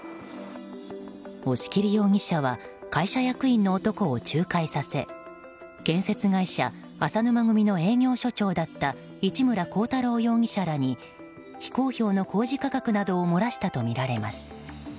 押切容疑者は会社役員の男を仲介させ建設会社、浅沼組の営業所長だった市村光太郎容疑者らに非公表の工事価格などを漏らしたとみられます。